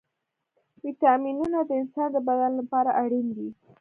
ويټامينونه د انسان د بدن لپاره اړين دي.